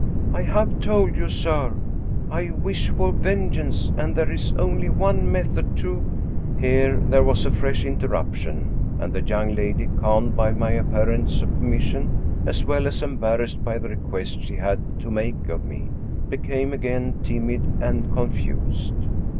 " I have told you, sir ; I wish for vengeance, and there is only one method to——" Here there was a fresh interruption, and the young lady, calmed by my apparent submission, as well as embarrassed by the request she had to make of me, became again timid and confused.